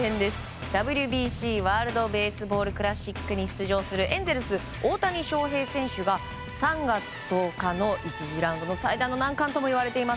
ＷＢＣ・ワールド・ベースボール・クラシックに出場するエンゼルス、大谷翔平選手が３月１０日の１次ラウンドの最大の難関ともいわれています